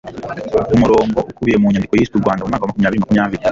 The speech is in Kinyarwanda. umurongo ukubiye mu nyandiko yiswe u rwanda mu mwaka wa makumyabiri makumyabiri